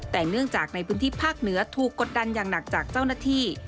แต่เนื่องจากในพื้นที่ภาคเหนือถูกกดดันอย่างหนักจากเจ้าหน้าที่